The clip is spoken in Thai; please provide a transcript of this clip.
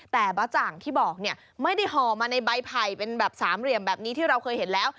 แต่บ๊ะจ่างที่บอกเนี่ยไม่ได้ห่อมาในใบไผ่เป็นแบบสามเหลี่ยมแบบนี้ที่เราเคยเห็นแล้ว